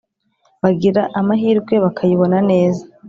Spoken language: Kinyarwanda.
bagira amahirwe bakayibona neza